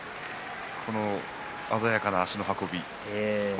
この鮮やかな足の運び。